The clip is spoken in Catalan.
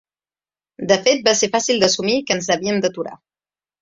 De fet, va ser fàcil d’assumir que ens havíem d’aturar.